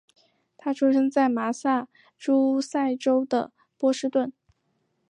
他出生在麻萨诸塞州的波士顿。